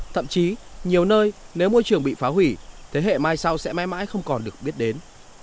thậm chí nhiều nơi nếu môi trường bị phá hủy thế hệ mai sau sẽ mãi mãi không còn được biết đến